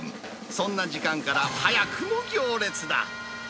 そんな時間から早くも行列だ。